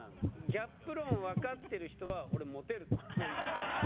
ギャップ論分かってる人は俺モテると思う。